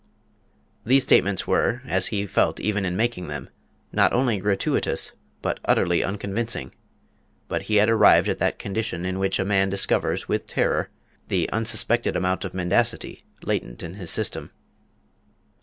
These statements were, as he felt even in making them, not only gratuitous, but utterly unconvincing, but he had arrived at that condition in which a man discovers with terror the unsuspected amount of mendacity latent in his system.